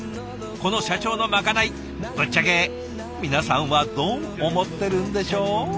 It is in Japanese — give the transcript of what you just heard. この社長のまかないぶっちゃけ皆さんはどう思ってるんでしょう？